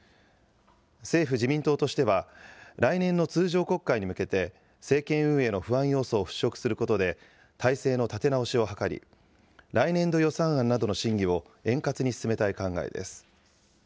政府・自民党としては、来年の通常国会に向けて、政権運営の不安要素を払拭することで、体制の立て直しを図り、来年度予算案などの審議を円滑に進めたい考えです。